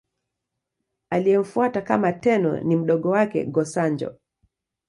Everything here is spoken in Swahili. Aliyemfuata kama Tenno ni mdogo wake, Go-Sanjo.